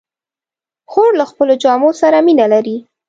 خور له خپلو جامو سره مینه لري.